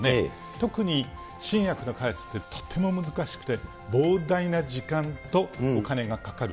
特に、新薬の開発ってとても難しくて、膨大な時間とお金がかかる。